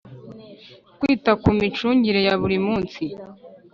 Kwita ku micungire ya buri munsi